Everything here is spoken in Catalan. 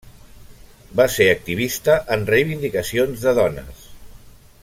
Va ser activista en reivindicacions de dones.